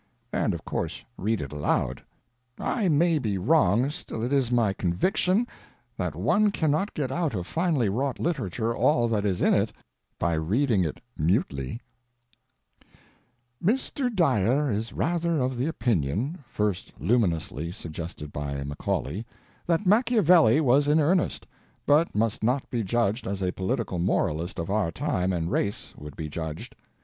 And, of course, read it aloud. I may be wrong, still it is my conviction that one cannot get out of finely wrought literature all that is in it by reading it mutely: _Mr. Dyer is rather of the opinion, first luminously suggested by Macaulay, that Machiavelli was in earnest, but must not be judged as a political moralist of our time and race would be judged.